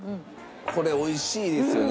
これ美味しいですよね。